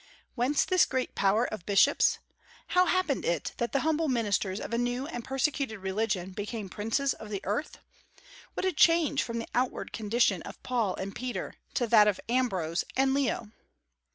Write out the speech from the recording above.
Whence this great power of bishops? How happened it that the humble ministers of a new and persecuted religion became princes of the earth? What a change from the outward condition of Paul and Peter to that of Ambrose and Leo!